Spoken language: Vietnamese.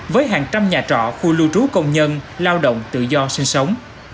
với hàng trăm nhà trọ khu lưu trú công nhân lao động tự do sinh sống